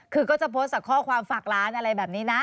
คือก็จะโพสต์จากข้อความฝากร้านอะไรแบบนี้นะ